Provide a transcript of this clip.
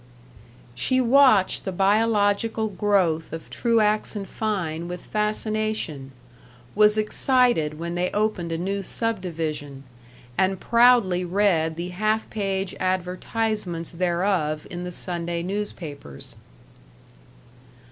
She watched the biological growth of Truax & Fein with fascination; was excited when they opened a new subdivision, and proudly read the half page advertisements thereof in the Sunday newspapers.